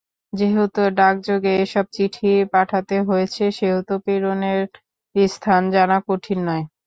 যেহেতু ডাকযোগে এসব চিঠি পাঠানো হয়েছে, সেহেতু প্রেরণের স্থান জানা কঠিন নয়।